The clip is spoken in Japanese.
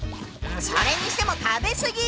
それにしても食べ過ぎ！